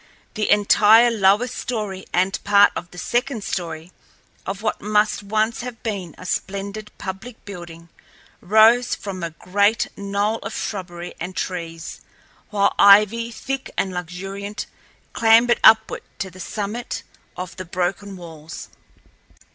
The entire lower story and part of the second story of what must once have been a splendid public building rose from a great knoll of shrubbery and trees, while ivy, thick and luxuriant, clambered upward to the summit of the broken walls.